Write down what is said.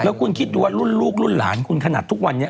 แล้วคุณคิดดูว่ารุ่นลูกรุ่นหลานคุณขนาดทุกวันนี้